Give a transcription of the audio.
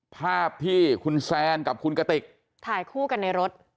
ภาพที่คุณแซนกับคุณกติกถ่ายคู่กันในรถ